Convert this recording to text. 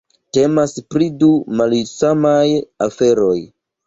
Temas pri du malsamaj aferoj.